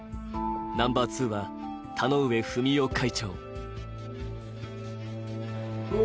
ナンバー２は田上不美夫会長。